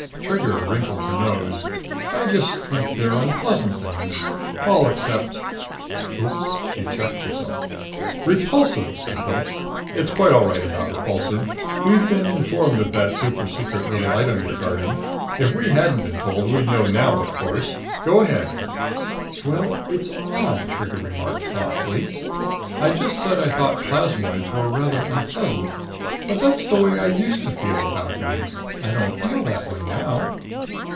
Trigger wrinkled her nose. "I just think they're unpleasant things. All except " Oops! She checked herself. " Repulsive," said Pilch. "It's quite all right about Repulsive. We've been informed of that supersecret little item you're guarding. If we hadn't been told, we'd know now, of course. Go ahead." "Well, it's odd!" Trigger remarked thoughtfully. "I just said I thought plasmoids were rather unpleasant. But that's the way I used to feel about them. I don't feel that way now."